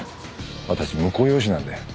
私婿養子なんで。